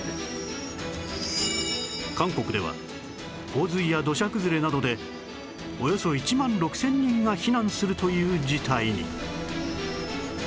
韓国では洪水や土砂崩れなどでおよそ１万６０００人が避難するという事態に